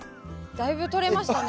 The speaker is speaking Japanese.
だいぶとれましたね。